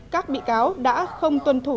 các bị cáo đã không tuân thủ